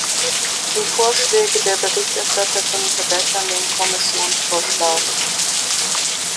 Die Vorschläge der Berichterstatterin verbessern den Kommissionsvorschlag.